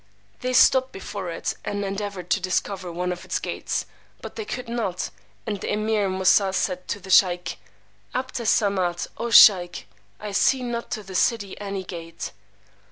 They stopped before it, and endeavored to discover one of its gates; but they could not; and the Emeer Moosà said to the sheykh 'Abd Es Samad, O sheykh, I see not to this city any gate.